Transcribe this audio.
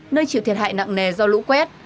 nơi chịu thiệt hại nặng nề do lũ quét